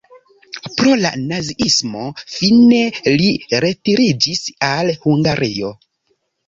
Pro la naziismo fine li retiriĝis al Hungario.